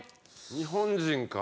日本人か。